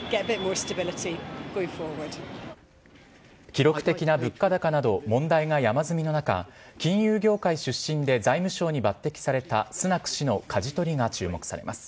記録的な物価高など、問題が山積みの中、金融業界出身で財務相に抜てきされたスナク氏のかじ取りが注目されます。